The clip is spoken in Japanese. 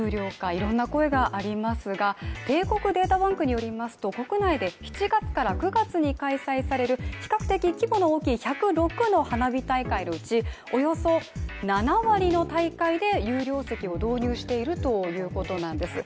いろんな声がありますが帝国データバンクによりますと、国内で７月から９月に開催される比較的規模の大きい１０６の花火大会のうち、およそ７割の大会で有料席を導入しているということなんです。